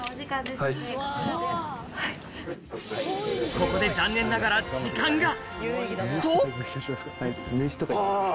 ここで残念ながら時間がとあぁ！